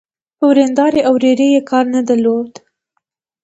په وريندارې او ورېرې يې کار نه درلود.